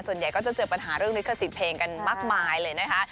ส่วนใหญ่ก็จะเจอปัญหาเรื่องลิขสิทธิ์เพลงกันมากมายเลยนะคะ